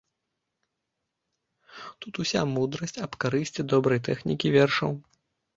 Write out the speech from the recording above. Тут уся мудрасць аб карысці добрай тэхнікі вершаў.